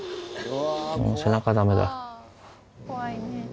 もう背中ダメだ。